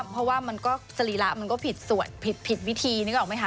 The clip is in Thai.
เพราะว่ามันก็สรีระมันก็ผิดสวดผิดวิธีนึกออกไหมค